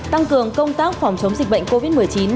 tăng cường công tác phòng chống dịch bệnh covid một mươi chín